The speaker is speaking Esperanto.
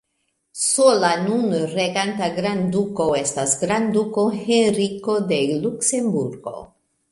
Sola nun reganta grandduko estas grandduko Henriko de Luksemburgo.